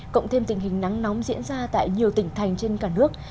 cộng thêm tình hình nắng nóng diễn ra tại nhiều tỉnh thành trên cả nước